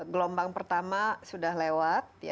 gelombang pertama sudah lewat